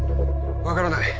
分からない